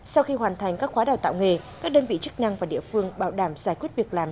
sau khi hoàn thành các khóa đào tạo nghề các đơn vị chức năng và địa phương bảo đảm giải quyết việc làm